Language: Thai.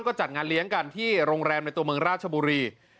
ก็จัดงานเลี้ยงกันที่โรงแรมในตัวเมืองราชบุรี